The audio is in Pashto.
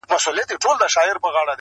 له مودو وروسته يې کرم او خرابات وکړ.